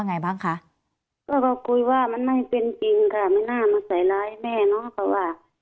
ไงบ้างคะก็คุยว่ามันไม่เป็นจริงค่ะไม่น่ามาใส่ร้ายแม่เนอะเขาว่า